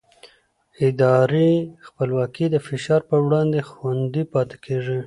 اداري خپلواکي د فشار پر وړاندې خوندي پاتې کېږي